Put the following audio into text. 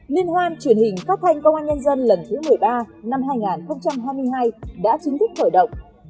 liên hoan truyền hình phát thanh công an nhân dân lần thứ một mươi ba năm hai nghìn hai mươi hai đã chính thức khởi động